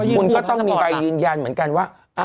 คุณก็ต้องมีใบยืนยันเหมือนกันว่า